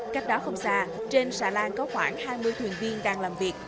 cách đó không xa trên xà lan có khoảng hai mươi thuyền viên đang làm việc